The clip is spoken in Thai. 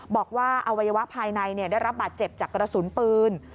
บอกว่าอวัยวะภายในได้รับบาดเจ็บจากกระสุนปืน